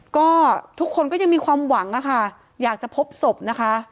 ก็ทุกคนก็ยังมีความหวังค่ะอยากจะพบศพนะคะ